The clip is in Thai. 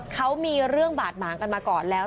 เขามีเรื่องบาดหมางกันมาก่อนแล้ว